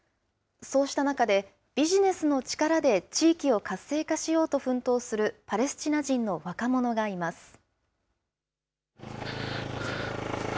そうした中で、ビジネスの力で地域を活性化しようと奮闘するパレスチナ人の若者がいます。